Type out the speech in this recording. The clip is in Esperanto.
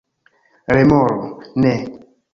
Remoro: "Ne!"